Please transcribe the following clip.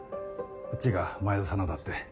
こっちが前田さんのだって。